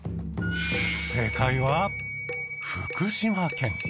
正解は福島県。